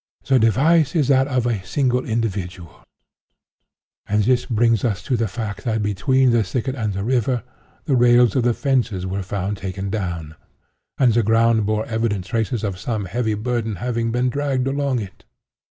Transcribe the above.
The device is that of a single individual; and this brings us to the fact that 'between the thicket and the river, the rails of the fences were found taken down, and the ground bore evident traces of some heavy burden having been dragged along it!